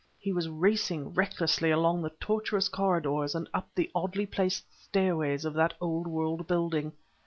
He was racing recklessly along the tortuous corridors and up the oddly placed stairways of that old world building.